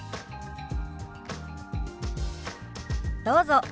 どうぞ。